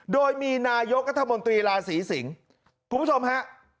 โดยมีนายกรัฐมนตรีลาศรีสิงศ์คุณผู้ชมฮะ